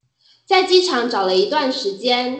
在機場找了一段時間